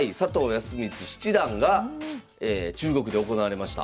康光七段が中国で行われました。